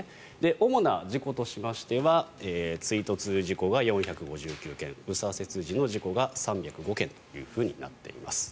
主な事故としては追突事故が４５９件右左折時の事故が３０５件となっています。